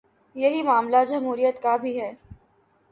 یہی معاملہ جمہوریت کا بھی ہے۔